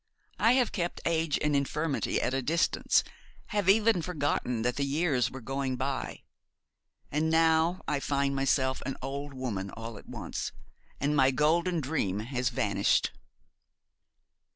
I have kept age and infirmity at a distance, have even forgotten that the years were going by; and now I find myself an old woman all at once, and my golden dream has vanished.'